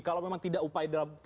kalau memang tidak upaya dalam